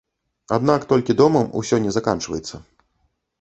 Аднак толькі домам усё не заканчваецца.